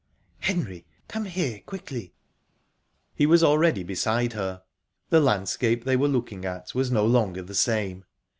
"Henry, come here quickly!..." He was already beside her. The landscape they were looking at was no longer the same.